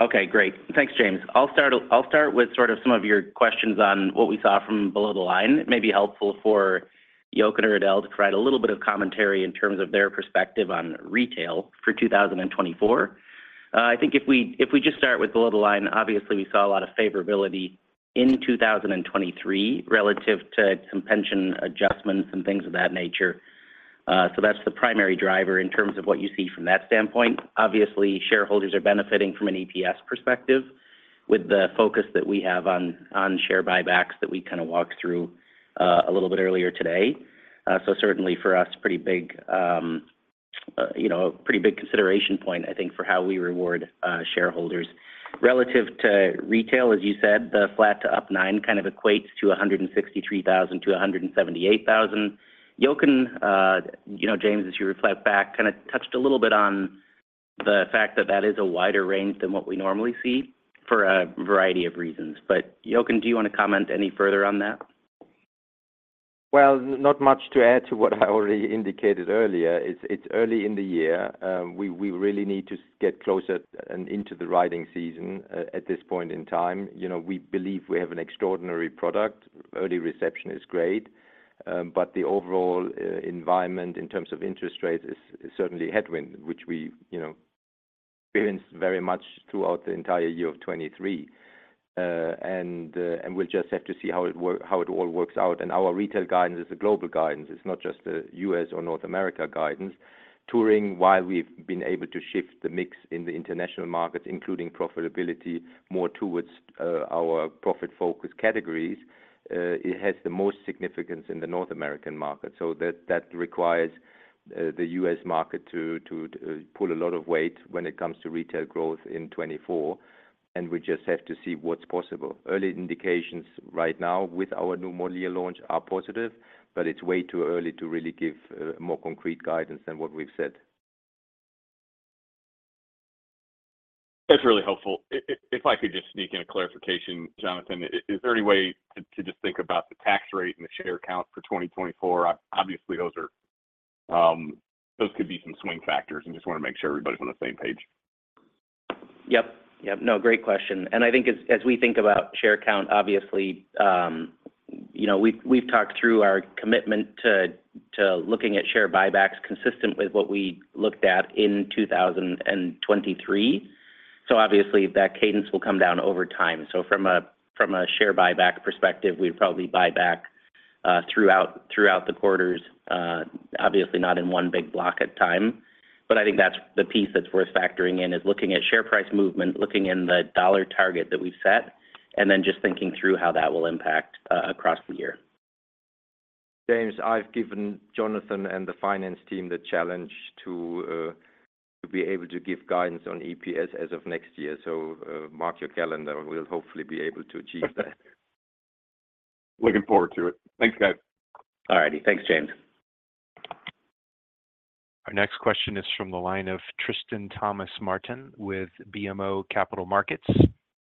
Okay, great. Thanks, James. I'll start with sort of some of your questions on what we saw from below the line. It may be helpful for Jochen or Edel to provide a little bit of commentary in terms of their perspective on retail for 2024. I think if we just start with below the line, obviously, we saw a lot of favorability in 2023 relative to some pension adjustments and things of that nature. So that's the primary driver in terms of what you see from that standpoint. Obviously, shareholders are benefiting from an EPS perspective, with the focus that we have on share buybacks that we kind of walked through a little bit earlier today. So certainly for us, pretty big, you know, a pretty big consideration point, I think, for how we reward shareholders. Relative to retail, as you said, the flat to up nine kind of equates to 163,000-178,000. Jochen, you know, James, as you reflect back, kind of touched a little bit on the fact that that is a wider range than what we normally see for a variety of reasons. But Jochen, do you want to comment any further on that? Well, not much to add to what I already indicated earlier. It's early in the year. We really need to get closer and into the riding season at this point in time. You know, we believe we have an extraordinary product. Early reception is great, but the overall environment in terms of interest rates is certainly a headwind, which we, you know, experienced very much throughout the entire year of 2023. We'll just have to see how it all works out. And our retail guidance is a global guidance. It's not just a U.S. or North America guidance. Touring, while we've been able to shift the mix in the international markets, including profitability, more towards our profit focus categories, it has the most significance in the North American market. So that requires the U.S. market to pull a lot of weight when it comes to retail growth in 2024, and we just have to see what's possible. Early indications right now with our new model year launch are positive, but it's way too early to really give more concrete guidance than what we've said. That's really helpful. If I could just sneak in a clarification, Jonathan. Is there any way to just think about the tax rate and the share count for 2024? Obviously, those are, those could be some swing factors, and just want to make sure everybody's on the same page. Yep. Yep. No, great question. And I think as we think about share count, obviously, you know, we've talked through our commitment to looking at share buybacks consistent with what we looked at in 2023. So obviously, that cadence will come down over time. So from a share buyback perspective, we'd probably buy back throughout the quarters, obviously not in one big block at a time. But I think that's the piece that's worth factoring in, is looking at share price movement, looking at the dollar target that we've set, and then just thinking through how that will impact across the year. James, I've given Jonathan and the finance team the challenge to, to be able to give guidance on EPS as of next year, so, mark your calendar. We'll hopefully be able to achieve that. Looking forward to it. Thanks, guys. All righty. Thanks, James. Our next question is from the line of Tristan Thomas-Martin with BMO Capital Markets.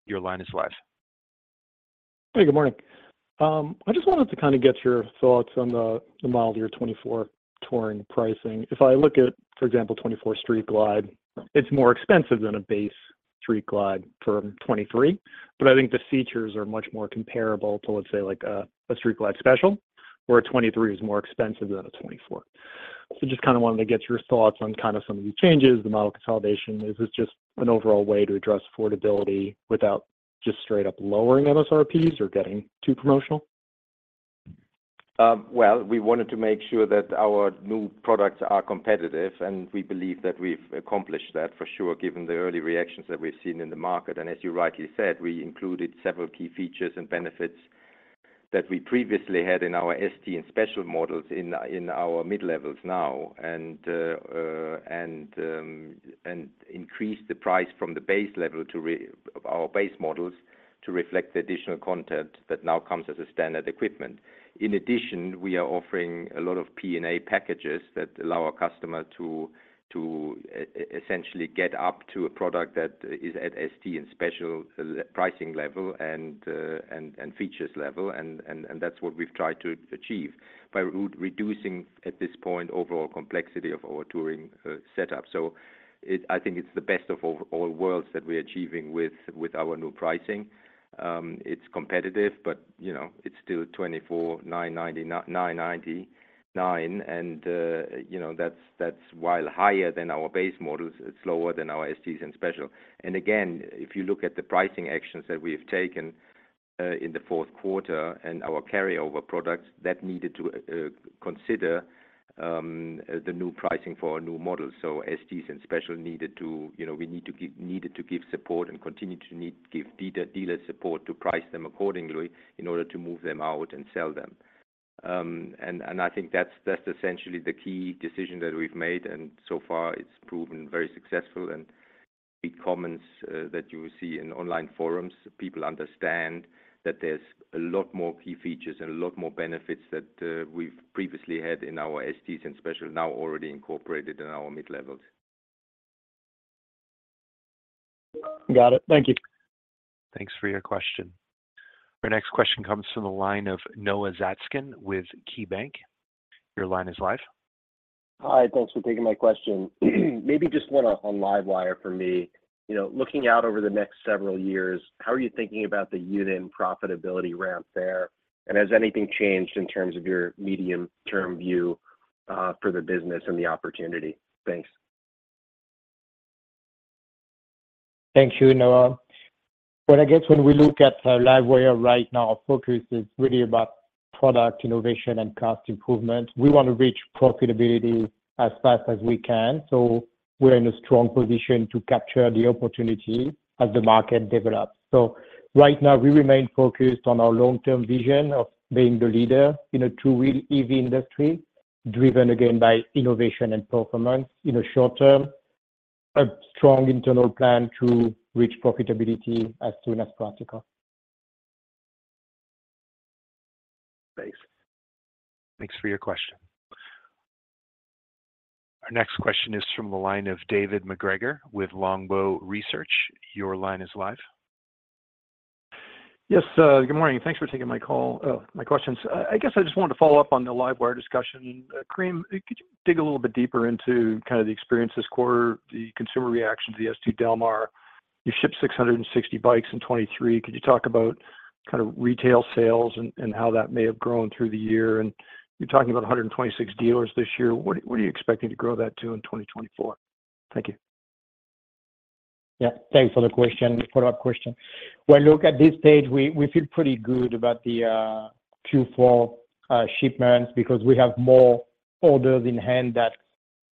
Your line is live. Hey, good morning. I just wanted to kind of get your thoughts on the, the model year 2024 touring pricing. If I look at, for example, 2024 Street Glide, it's more expensive than a base Street Glide for 2023, but I think the features are much more comparable to, let's say, like a, a Street Glide Special, where a 2023 is more expensive than a 2024. So just kind of wanted to get your thoughts on kind of some of the changes, the model consolidation. Is this just an overall way to address affordability without just straight up lowering MSRPs or getting too promotional? Well, we wanted to make sure that our new products are competitive, and we believe that we've accomplished that for sure, given the early reactions that we've seen in the market. And as you rightly said, we included several key features and benefits that we previously had in our ST and Special models in our mid-levels now, and increased the price from the base level of our base models to reflect the additional content that now comes as standard equipment. In addition, we are offering a lot of P&A packages that allow our customer to essentially get up to a product that is at ST and special pricing level and features level. And that's what we've tried to achieve by reducing, at this point, overall complexity of our touring setup. So I think it's the best of all worlds that we're achieving with our new pricing. It's competitive, but you know, it's still $24,999, and you know, that's that's while higher than our base models, it's lower than our STs and Special. And again, if you look at the pricing actions that we have taken in the fourth quarter and our carryover products, that needed to consider the new pricing for our new models. So STs and Special needed to you know, we need to give needed to give support and continue to need, give dealer support to price them accordingly in order to move them out and sell them. And I think that's that's essentially the key decision that we've made, and so far it's proven very successful. The comments that you will see in online forums, people understand that there's a lot more key features and a lot more benefits that we've previously had in our STs and Special, now already incorporated in our mid-levels. Got it. Thank you. Thanks for your question. Our next question comes from the line of Noah Zatzkin with KeyBanc. Your line is live. Hi, thanks for taking my question. Maybe just one on LiveWire for me. You know, looking out over the next several years, how are you thinking about the unit and profitability ramp there? And has anything changed in terms of your medium-term view for the business and the opportunity? Thanks. Thank you, Noah. Well, I guess when we look at LiveWire right now, our focus is really about product innovation and cost improvement. We want to reach profitability as fast as we can, so we're in a strong position to capture the opportunity as the market develops. So right now, we remain focused on our long-term vision of being the leader in a two-wheel EV industry, driven again by innovation and performance. In the short term, a strong internal plan to reach profitability as soon as possible. Thanks. Thanks for your question. Our next question is from the line of David MacGregor with Longbow Research. Your line is live. Yes, good morning. Thanks for taking my call, my questions. I guess I just wanted to follow up on the LiveWire discussion. Karim, could you dig a little bit deeper into kind of the experience this quarter, the consumer reaction to the S2 Del Mar? You shipped 660 bikes in 2023. Could you talk about kind of retail sales and how that may have grown through the year? And you're talking about 126 dealers this year. What are you expecting to grow that to in 2024? Thank you. Yeah, thanks for the question, follow-up question. When we look at this stage, we feel pretty good about the Q4 shipments because we have more orders in hand than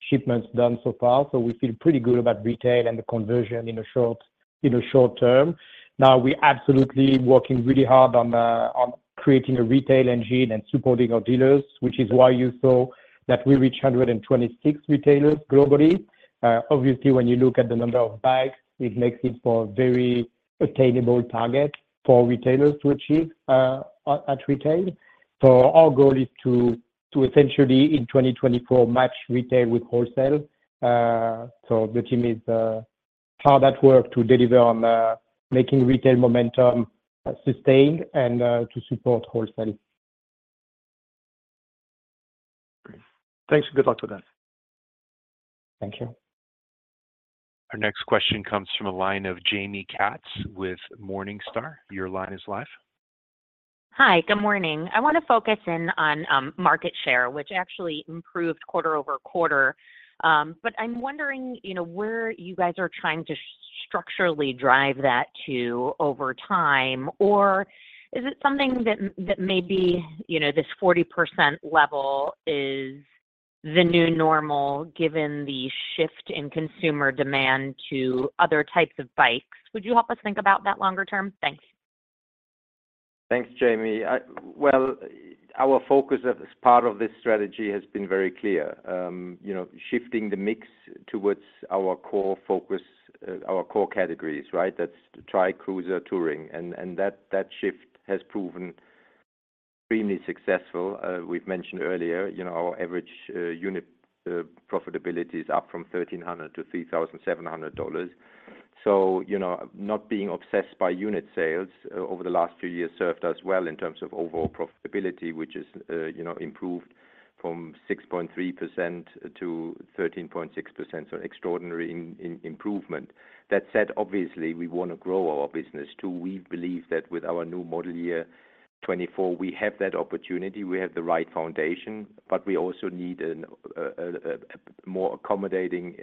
shipments done so far. So we feel pretty good about retail and the conversion in the short term. Now, we're absolutely working really hard on creating a retail engine and supporting our dealers, which is why you saw that we reach 126 retailers globally. Obviously, when you look at the number of bikes, it makes it for a very attainable target for retailers to achieve at retail. So our goal is to essentially, in 2024, match retail with wholesale. So the team is hard at work to deliver on making retail momentum sustained and to support wholesale. Great. Thanks, and good luck with that. Thank you. Our next question comes from a line of Jamie Katz with Morningstar. Your line is live. Hi, good morning. I want to focus in on market share, which actually improved quarter-over-quarter. But I'm wondering, you know, where you guys are trying to structurally drive that to over time, or is it something that may be, you know, this 40% level is the new normal, given the shift in consumer demand to other types of bikes? Would you help us think about that longer term? Thanks. Thanks, Jamie. Well, our focus as part of this strategy has been very clear. You know, shifting the mix towards our core focus, our core categories, right? That's trike, cruiser, touring, and that shift has proven extremely successful. We've mentioned earlier, you know, our average unit profitability is up from $1,300-$3,700. So, you know, not being obsessed by unit sales over the last few years served us well in terms of overall profitability, which is, you know, improved from 6.3% to 13.6%. So extraordinary improvement. That said, obviously, we want to grow our business too. We believe that with our new model year 2024, we have that opportunity, we have the right foundation, but we also need a more accommodating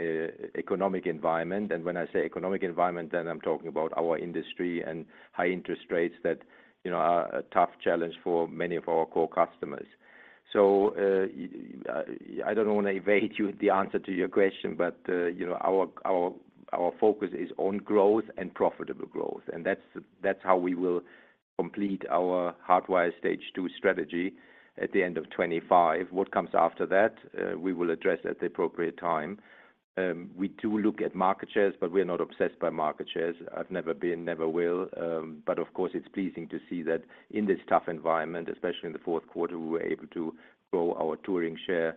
economic environment. And when I say economic environment, then I'm talking about our industry and high interest rates that, you know, are a tough challenge for many of our core customers. So, I don't want to evade you the answer to your question, but, you know, our focus is on growth and profitable growth, and that's how we will complete our Hardwire Stage Two strategy at the end of 2025. What comes after that, we will address at the appropriate time. We do look at market shares, but we're not obsessed by market shares. I've never been, never will. But of course, it's pleasing to see that in this tough environment, especially in the fourth quarter, we were able to grow our touring share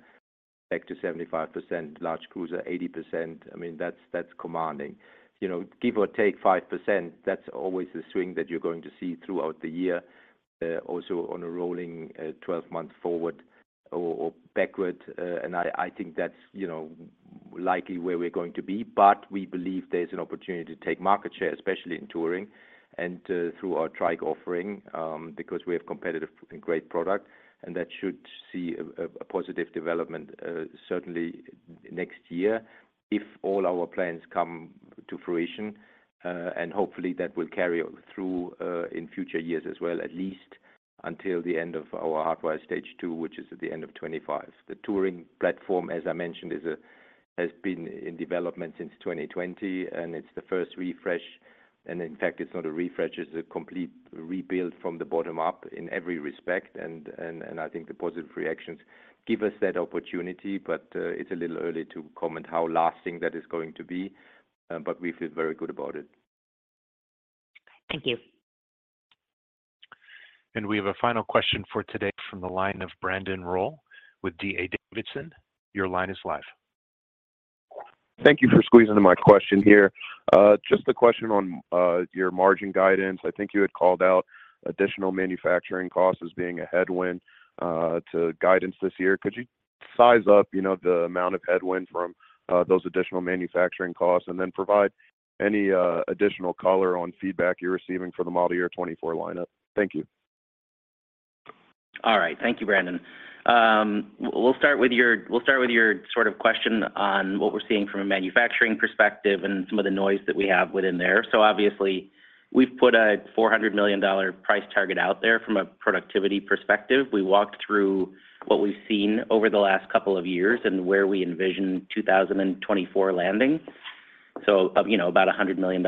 back to 75%, large Cruiser, 80%. I mean, that's, that's commanding. You know, give or take 5%, that's always the swing that you're going to see throughout the year, also on a rolling 12-month forward or backward. And I think that's, you know, likely where we're going to be. But we believe there's an opportunity to take market share, especially in touring and through our trike offering, because we have competitive and great product, and that should see a positive development, certainly next year if all our plans come to fruition. And hopefully, that will carry through in future years as well, at least until the end of our Hardwire Stage Two, which is at the end of 2025. The touring platform, as I mentioned, has been in development since 2020, and it's the first refresh. And in fact, it's not a refresh, it's a complete rebuild from the bottom up in every respect. And I think the positive reactions give us that opportunity, but it's a little early to comment how lasting that is going to be, but we feel very good about it. Thank you. We have a final question for today from the line of Brandon Rolle with D.A. Davidson. Your line is live. Thank you for squeezing in my question here. Just a question on your margin guidance. I think you had called out additional manufacturing costs as being a headwind to guidance this year. Could you size up, you know, the amount of headwind from those additional manufacturing costs, and then provide any additional color on feedback you're receiving for the model year 2024 lineup? Thank you. All right. Thank you, Brandon. We'll start with your sort of question on what we're seeing from a manufacturing perspective and some of the noise that we have within there. So obviously, we've put a $400 million price target out there from a productivity perspective. We walked through what we've seen over the last couple of years and where we envision 2024 landing. So, you know, about $100 million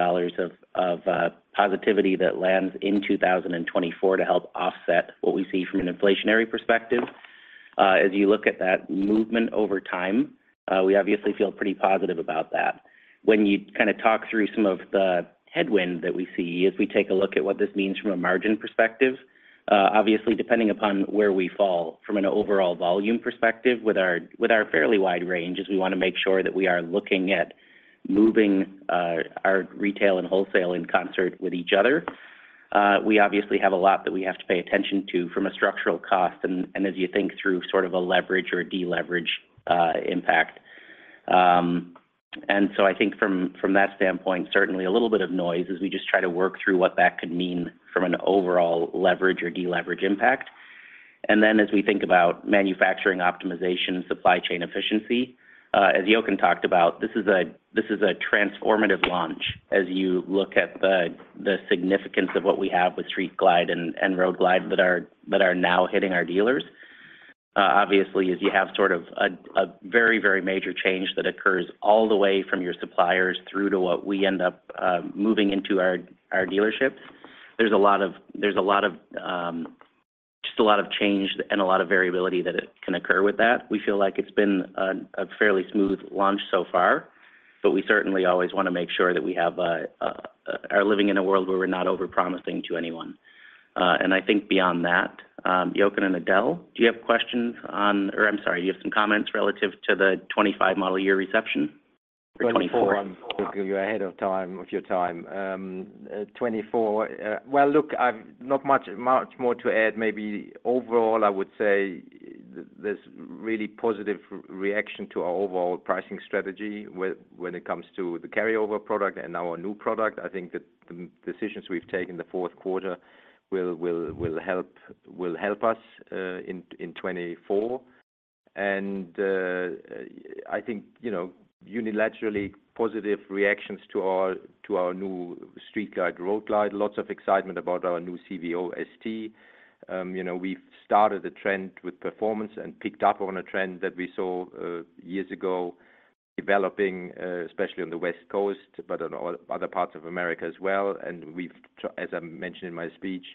of positivity that lands in 2024 to help offset what we see from an inflationary perspective. As you look at that movement over time, we obviously feel pretty positive about that. When you kind of talk through some of the headwind that we see as we take a look at what this means from a margin perspective, obviously, depending upon where we fall from an overall volume perspective with our fairly wide range, is we want to make sure that we are looking at moving our retail and wholesale in concert with each other. We obviously have a lot that we have to pay attention to from a structural cost and as you think through sort of a leverage or a deleverage impact. And so I think from that standpoint, certainly a little bit of noise as we just try to work through what that could mean from an overall leverage or deleverage impact. Then as we think about manufacturing optimization and supply chain efficiency, as Jochen talked about, this is a transformative launch as you look at the significance of what we have with Street Glide and Road Glide that are now hitting our dealers. Obviously, as you have sort of a very, very major change that occurs all the way from your suppliers through to what we end up moving into our dealerships, there's a lot of just a lot of change and a lot of variability that it can occur with that. We feel like it's been a fairly smooth launch so far, but we certainly always want to make sure that we are living in a world where we're not over-promising to anyone. And I think beyond that, Jochen and Edel, do you have questions on—or I'm sorry, do you have some comments relative to the 25 model year reception? You're ahead of time, of your time. 2024, well, look, I've not much more to add. Maybe overall, I would say there's really positive reaction to our overall pricing strategy, when it comes to the carryover product and our new product. I think that the decisions we've taken the fourth quarter will help us in 2024. I think, you know, unilaterally positive reactions to our new Street Glide, Road Glide. Lots of excitement about our new CVO ST. You know, we've started a trend with performance and picked up on a trend that we saw years ago developing, especially on the West Coast, but on other parts of America as well. And we've, as I mentioned in my speech,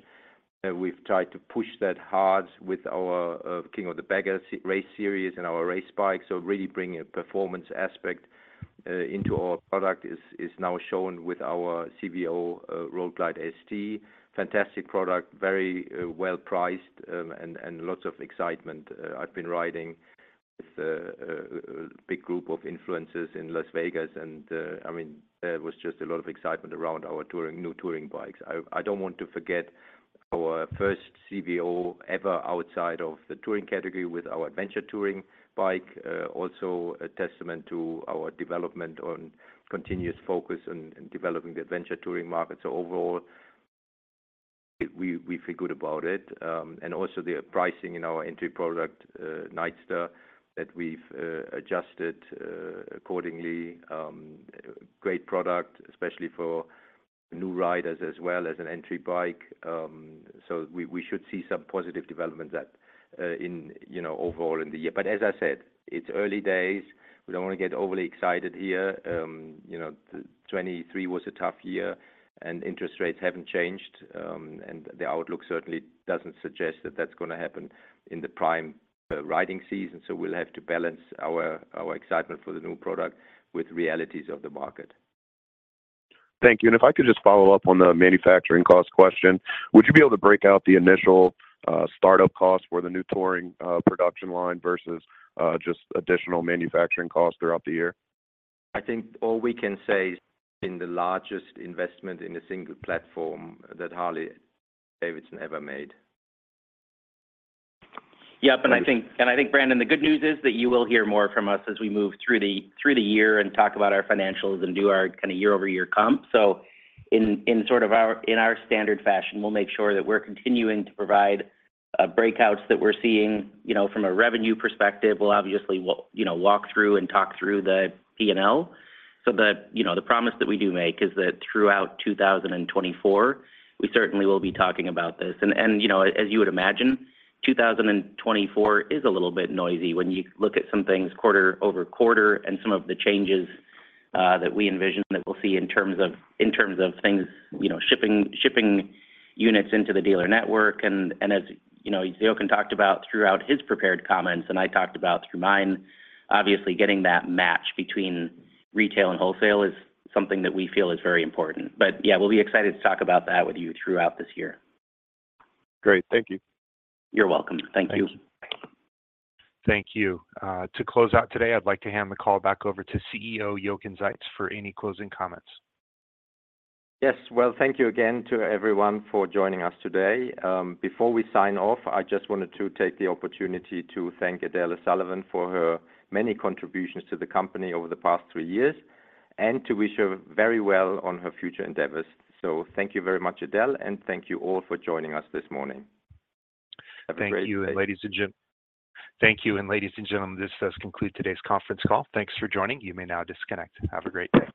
tried to push that hard with our King of the Baggers race series and our race bikes. So really bringing a performance aspect into our product is now shown with our CVO Road Glide ST. Fantastic product, very well priced, and lots of excitement. I've been riding with a big group of influencers in Las Vegas, and I mean, there was just a lot of excitement around our touring, new touring bikes. I don't want to forget our first CVO ever outside of the touring category with our Adventure Touring bike. Also a testament to our development on continuous focus on developing the Adventure Touring market. So overall, we feel good about it. And also the pricing in our entry product, Nightster, that we've adjusted accordingly. Great product, especially for new riders as well as an entry bike. So we should see some positive development that in you know overall in the year. But as I said, it's early days. We don't want to get overly excited here. You know, 2023 was a tough year, and interest rates haven't changed, and the outlook certainly doesn't suggest that that's going to happen in the prime riding season. So we'll have to balance our excitement for the new product with realities of the market. Thank you. If I could just follow up on the manufacturing cost question, would you be able to break out the initial, startup costs for the new touring, production line versus, just additional manufacturing costs throughout the year? I think all we can say is in the largest investment in a single platform that Harley-Davidson ever made. Yep, I think, Brandon, the good news is that you will hear more from us as we move through the year and talk about our financials and do our kind of year-over-year comp. So in sort of our standard fashion, we'll make sure that we're continuing to provide breakouts that we're seeing, you know, from a revenue perspective. We'll obviously walk, you know, walk through and talk through the P&L, so that, you know, the promise that we do make is that throughout 2024, we certainly will be talking about this. You know, as you would imagine, 2024 is a little bit noisy when you look at some things quarter-over-quarter and some of the changes that we envision that we'll see in terms of things, you know, shipping units into the dealer network. And as you know, Jochen talked about throughout his prepared comments, and I talked about through mine, obviously, getting that match between retail and wholesale is something that we feel is very important. But yeah, we'll be excited to talk about that with you throughout this year. Great. Thank you. You're welcome. Thank you. Thank you. Thank you. To close out today, I'd like to hand the call back over to CEO, Jochen Zeitz, for any closing comments. Yes. Well, thank you again to everyone for joining us today. Before we sign off, I just wanted to take the opportunity to thank Edel O'Sullivan for her many contributions to the company over the past three years, and to wish her very well on her future endeavors. Thank you very much, Edel, and thank you all for joining us this morning. Have a great day. Thank you, and ladies and gentlemen, this does conclude today's conference call. Thanks for joining. You may now disconnect. Have a great day.